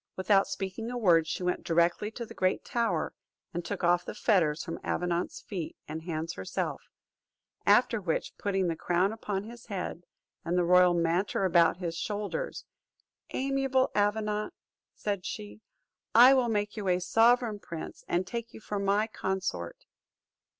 Without speaking a word, she went directly to the great tower, and took off the fetters from Avenant's feet and hands herself; after which, putting the crown upon his head, and the royal mantle about his shoulders, "Amiable Avenant," said she, "I will make you a sovereign prince, and take you for my consort."